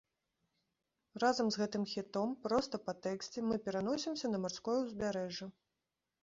Разам з гэтым хітом, проста па тэксце, мы пераносімся на марское ўзбярэжжа.